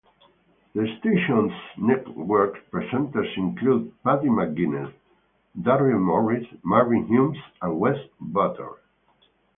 The station's network presenters include Paddy McGuinness, Darryl Morris, Marvin Humes and Wes Butters.